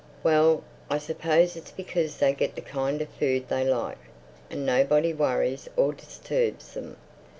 "Well, I suppose it's because they get the kind of food they like; and nobody worries or disturbs them.